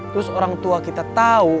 terus orang tua kita tahu